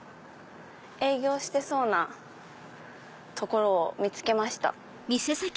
営業してそうな所を見つけました。